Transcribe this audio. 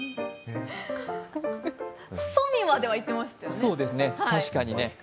ソミまではいってましたよね。